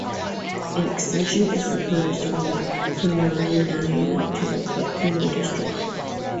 An extension is proposed from the Planernaya to the Kurkino district.